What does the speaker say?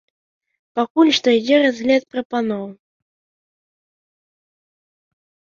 Пакуль што ідзе разгляд прапаноў.